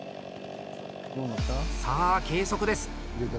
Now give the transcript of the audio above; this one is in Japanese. さあ、計測です。